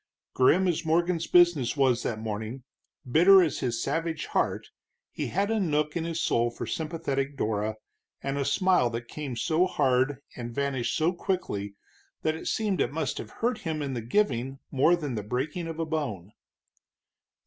Grim as Morgan's business was that morning, bitter as his savage heart, he had a nook in his soul for sympathetic Dora, and a smile that came so hard and vanished so quickly that it seemed it must have hurt him in the giving more than the breaking of a bone.